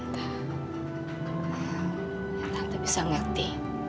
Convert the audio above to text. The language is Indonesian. tante bisa ngerti